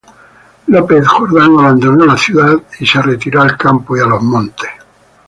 López Jordán abandonó las ciudades y se retiró al campo y a los montes.